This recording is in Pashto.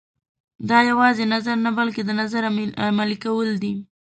دا یوازې نظر نه بلکې د نظر عملي کول دي.